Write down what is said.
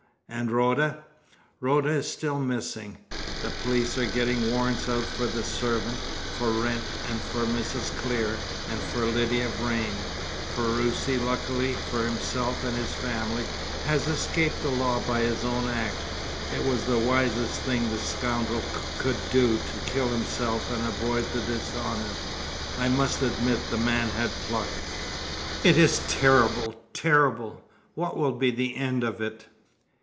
"And Rhoda?" "Rhoda is still missing. The police are getting warrants out for the servant, for Wrent, for Mrs. Clear, and for Lydia Vrain. Ferruci, luckily for himself and his family, has escaped the law by his own act. It was the wisest thing the scoundrel could do to kill himself and avoid dishonour. I must admit the man had pluck." "It is terrible! terrible! What will be the end of it?"